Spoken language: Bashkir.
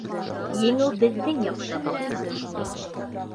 ЕҢЕҮ БЕҘҘЕҢ ЯҠТА БУЛАСАҠ!